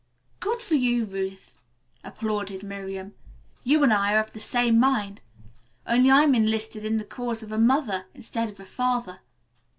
"Good for you, Ruth," applauded Miriam. "You and I are of the same mind. Only I'm enlisted in the cause of a mother instead of a father.